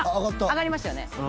上がりましたよね